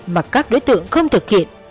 mà các đối tượng không thực hiện